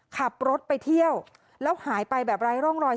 ขับรถไปเที่ยวแล้วหายไปแบบไร้ร่องรอย